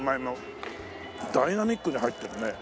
ダイナミックに入ってるね。